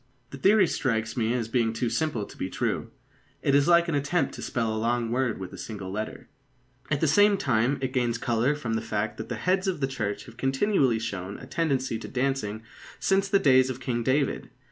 The theory strikes me as being too simple to be true. It is like an attempt to spell a long word with a single letter. At the same time, it gains colour from the fact that the heads of the Church have continually shown a tendency to dancing since the days of King David.